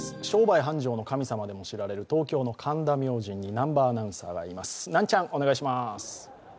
商売繁盛の神様でも知られる東京の神田明神に南波アナウンサーがいます。